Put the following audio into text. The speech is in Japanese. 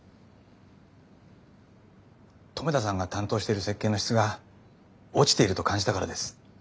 留田さんが担当してる石鹸の質が落ちていると感じたからです。